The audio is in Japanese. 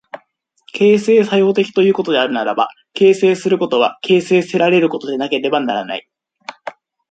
形成作用的ということであるならば、形成することは形成せられることでなければならない。